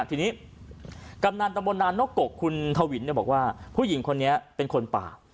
ทีนี้กำลังตำบลนานโน๊กกกคุณทวินเนี่ยบอกว่าผู้หญิงคนนี้เป็นคนป่า